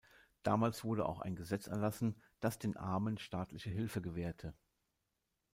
Damals wurde auch ein Gesetz erlassen, das den Armen staatliche Hilfe gewährte.